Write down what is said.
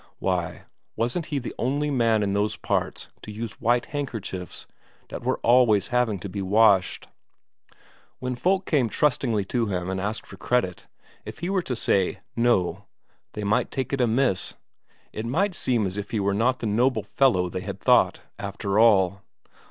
Why, wasn't he the only man in those parts to use white handkerchiefs that were always having to be washed? When folk came trustingly to him and asked for credit, if he were to say "No," they might take it amiss, it might seem as if he were not the noble fellow they had thought, after all.